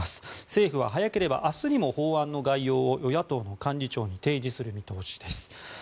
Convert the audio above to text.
政府は早ければ明日にも法案の概要を与野党の幹事長に提示する見通しです。